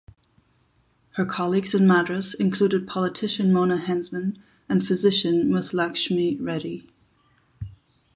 Her colleagues in Madras included politician Mona Hensman and physician Muthulakshmi Reddy.